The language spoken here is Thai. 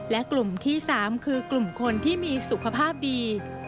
และกลุ่มที่๓คือกลุ่มคนที่มีสุขภาพดี